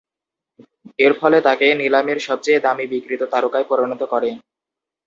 এরফলে তাকে নিলামের সবচেয়ে দামী বিক্রিত তারকায় পরিণত করে।